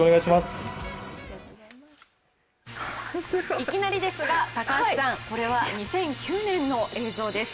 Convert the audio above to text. いきなりですが高橋さん、これは２００９年の映像です。